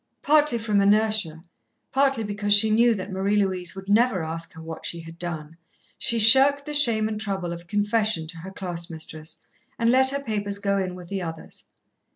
Partly from inertia, partly because she knew that Marie Louise would never ask her what she had done, she shirked the shame and trouble of confession to her class mistress, and let her papers go in with the others.